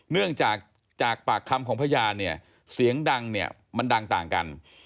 เนื่องจากจากปากคำของพยานเนี่ยเสียงดังเนี่ยมันดังต่างกัน